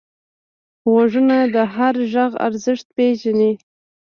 غوږونه د هر غږ ارزښت پېژني